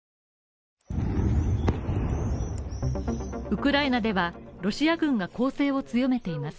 ウクライナでは、ロシア軍が攻勢を強めています。